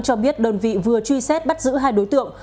cho biết đơn vị vừa truy xét bắt giữ hai đối tượng